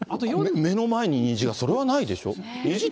目の前に虹が、それはないでしょ？